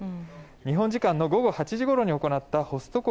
日本時間の午後８時ごろに行ったホスト国